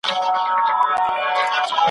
فېشن د هر نوي دور جامه ده `